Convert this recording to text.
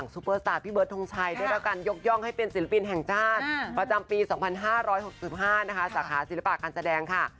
ซูเปอร์สตาร์พี่เบิร์ทงชัยได้รับการยกย่องให้เป็นศิลปินแห่งชาติประจำปี๒๕๖๕นะคะสาขาศิลปะการแสดงค่ะ